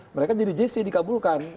mereka jadi jc dikabulkan